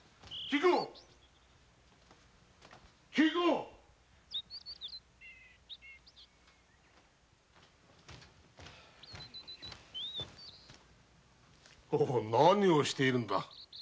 何をしているのだ？